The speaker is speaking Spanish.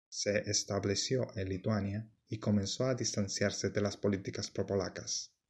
Se estableció en Lituania y comenzó a distanciarse de las políticas pro-polacas.